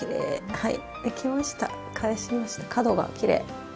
はい。